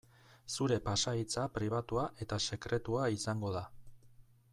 Zure pasahitza pribatua eta sekretua izango da.